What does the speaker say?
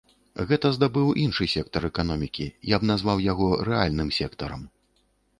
Гэта здабыў іншы сектар эканомікі, я б назваў яго рэальным сектарам.